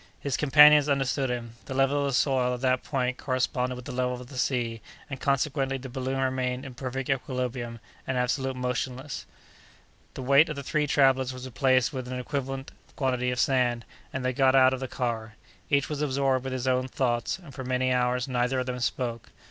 His companions understood him. The level of the soil at that point corresponded with the level of the sea, and, consequently, the balloon remained in perfect equilibrium, and absolutely motionless. The weight of the three travellers was replaced with an equivalent quantity of sand, and they got out of the car. Each was absorbed in his own thoughts; and for many hours neither of them spoke.